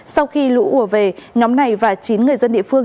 sau khi lũ ủa về nhóm này và chín người dân địa phương